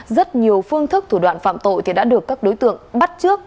rất nhiều phương thức thủ đoạn phạm tội đã được các đối tượng bắt trước